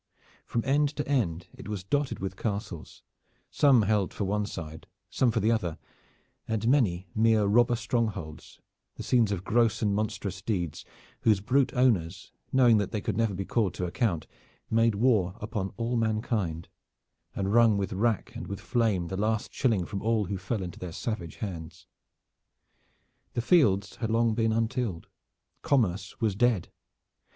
From end to end it was dotted with castles, some held for one side, some for the other, and many mere robber strongholds, the scenes of gross and monstrous deeds, whose brute owners, knowing that they could never be called to account, made war upon all mankind, and wrung with rack and with flame the last shilling from all who fell into their savage hands. The fields had long been untilled. Commerce was dead.